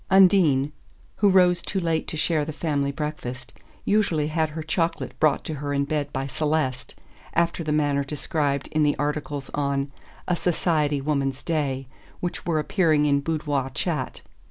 Undine, who rose too late to share the family breakfast, usually had her chocolate brought to her in bed by Celeste, after the manner described in the articles on "A Society Woman's Day" which were appearing in Boudoir Chat.